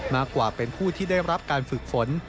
มากกว่าเป็นผู้ที่ได้รับการฝึกฝน